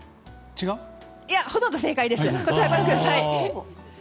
ほとんど正解です。